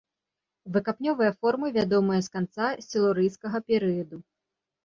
Выкапнёвыя формы вядомыя з канца сілурыйскага перыяду.